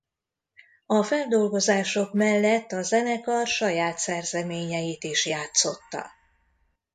A feldolgozások mellett a zenekar saját szerzeményeit is játszotta.